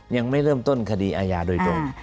ยังไม่เริ่มต้นคดีอาญาโดยตรง